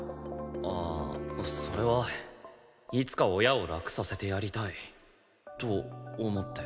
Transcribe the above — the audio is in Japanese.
あーそれはいつか親を楽させてやりたいと思って。